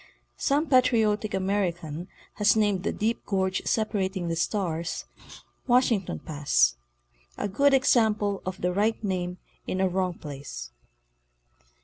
Some patriotic American has named the deep gorge separating the "Stars" "Washington Pass," a good example of the right name in a wrong place.